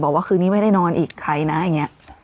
บอกว่าคืนนี้ไม่ได้นอนอีกใครนะอย่างนี้